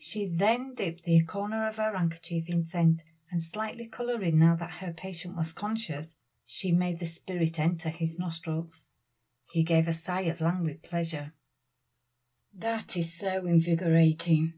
She then dipped the corner of her handkerchief in scent, and slightly coloring now that her patient was conscious, she made the spirit enter his nostrils. He gave a sigh of languid pleasure "That is so invigorating."